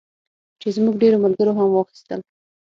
چې زموږ ډېرو ملګرو هم واخیستل.